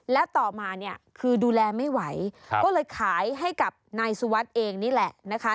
และต่อมาเนี่ยคือดูแลไม่ไหวก็เลยขายให้กับนายสุวัสดิ์เองนี่แหละนะคะ